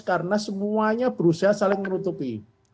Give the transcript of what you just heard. karena semuanya berusaha saling menutupi